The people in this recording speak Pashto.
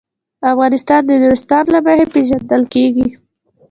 افغانستان د نورستان له مخې پېژندل کېږي.